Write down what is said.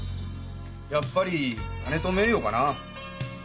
やっぱり金と名誉かな。